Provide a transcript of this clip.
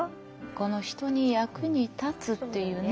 この「人に役に立つ」っていうね。